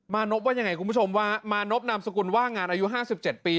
นพว่ายังไงคุณผู้ชมว่ามานพนามสกุลว่างงานอายุ๕๗ปี